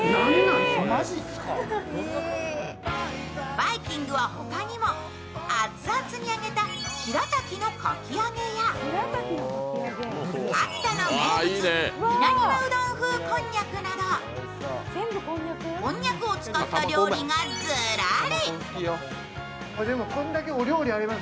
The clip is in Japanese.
バイキングは他にも熱々に揚げたしらたきのかき揚げや秋田の名物、稲庭うどん風こんにゃくなど、こんにゃくを使った料理がズラリ。